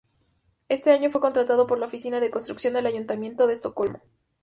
Ese año fue contratado por la Oficina de construcción del Ayuntamiento de Estocolmo.